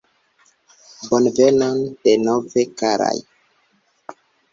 Bonvenon denove, karaj.